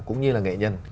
cũng như là nghệ nhân